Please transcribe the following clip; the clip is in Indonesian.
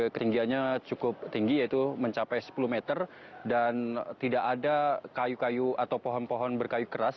ketinggiannya cukup tinggi yaitu mencapai sepuluh meter dan tidak ada kayu kayu atau pohon pohon berkayu keras